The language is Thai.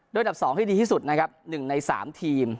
ด้วยดับ๒ที่ดีที่สุดนะครับ๑ใน๓ทีม